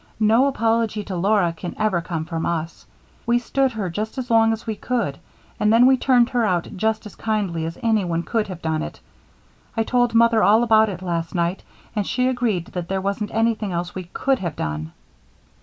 "No apology to Laura can ever come from us. We stood her just as long as we could, and then we turned her out just as kindly as anyone could have done it. I told Mother all about it last night and she agreed that there wasn't anything else we could have done."